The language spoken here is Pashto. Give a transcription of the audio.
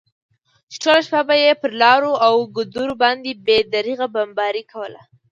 چې ټوله شپه به یې پر لارو او ګودرو باندې بې درېغه بمباري کوله.